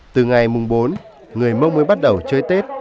từ ngày mùng bốn người mông mới bắt đầu chơi tết